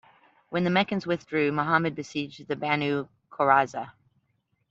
When the Meccans withdrew Muhammad besieged the Banu Qurayza.